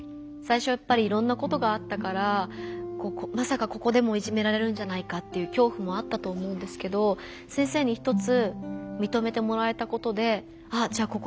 最初やっぱりいろんなことがあったからまさかここでもいじめられるんじゃないかという恐怖もあったと思うんですけど先生に一つみとめてもらえたことであっじゃあ